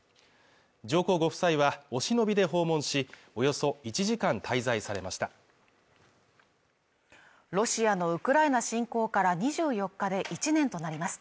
上皇ご夫妻はお忍びで訪問しおよそ１時間滞在されましたロシアのウクライナ侵攻から２４日で１年となります